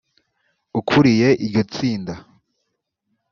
ukuriye iryo tsinda